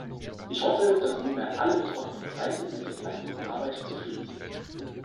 Ich hoffe, dass nunmehr alle betroffenen Kreise mit der geleisteten Arbeit zufrieden sind.